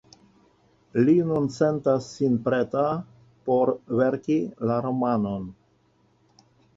Li nun sentas sin preta por verki la romanon.